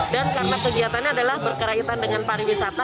dan karena kegiatannya adalah berkaitan dengan pariwisata